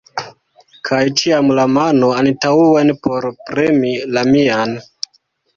Kaj ĉiam la mano antaŭen por premi la mian!